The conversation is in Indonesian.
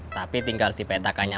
tapi tinggal di petakannya